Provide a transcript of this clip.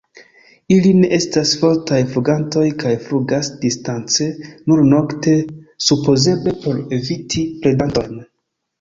Ili ne estas fortaj flugantoj kaj flugas distance nur nokte, supozeble por eviti predantojn.